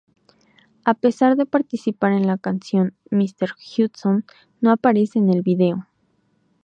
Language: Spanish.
A pesar de participar en la canción, Mr Hudson no aparece en el vídeo.